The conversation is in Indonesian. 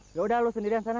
yaudah lu sendirian sana